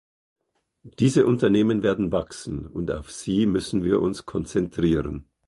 Diese Unternehmen werden wachsen, und auf sie müssen wir uns konzentrieren.